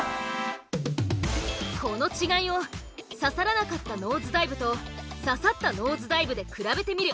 この違いを刺さらなかったノーズダイブと刺さったノーズダイブで比べてみる。